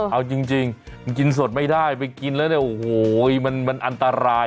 เอาจริงมันกินสดไม่ได้ไปกินแล้วเนี่ยโอ้โหมันอันตราย